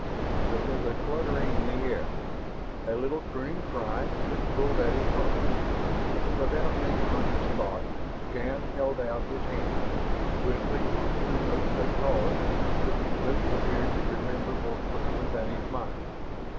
There was a fluttering in the air, a little crooning cry which pulled at his heart. Without any conscious thought, Shann held out his hands, whistling on two notes a call which his lips appeared to remember more quickly than his mind.